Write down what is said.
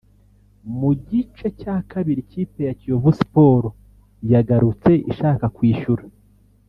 Mu gice cya kabiri ikipe ya Kiyovu Sports yagarutse ishaka kwishyura